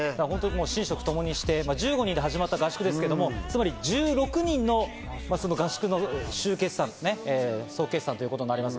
寝食をともにして１５人で始まった合宿ですけど、つまり１６人の合宿の総決算ということになります。